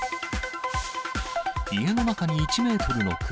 家の中に１メートルの熊。